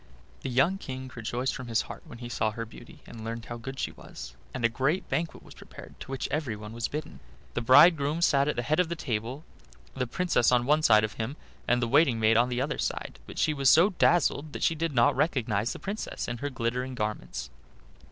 The young King rejoiced from his heart when he saw her beauty and learned how good she was, and a great banquet was prepared, to which everyone was bidden. The bridegroom sat at the head of the table, the Princess on one side of him and the waiting maid on the other; but she was so dazzled that she did not recognize the Princess in her glittering garments.